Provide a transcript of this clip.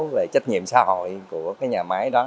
về trách nhiệm xã hội của cái nhà máy đó